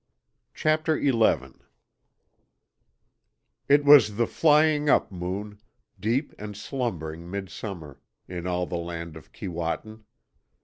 CHAPTER ELEVEN It was the Flying Up Moon deep and slumbering midsummer in all the land of Keewatin.